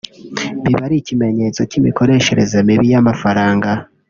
biba ari ikimenyetso cy’imikoreshereze mibi y’amafaranga